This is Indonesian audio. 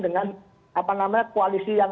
dengan apa namanya koalisi yang